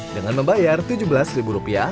dengan membayar tujuh belas ribu rupiah